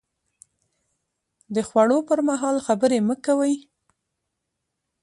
د خوړو پر مهال خبرې مه کوئ